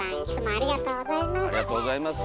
ありがとうございます！